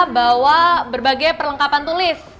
bawa berbagai perlengkapan tulis